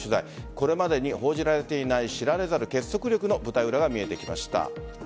これまでに報じられていない知られざる結束力の舞台裏が見えてきました。